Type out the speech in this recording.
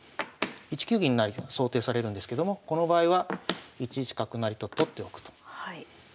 １九銀成と想定されるんですけどもこの場合は１一角成と取っておくと。